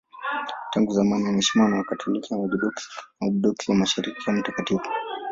Tangu zamani anaheshimiwa na Wakatoliki, Waorthodoksi na Waorthodoksi wa Mashariki kama mtakatifu.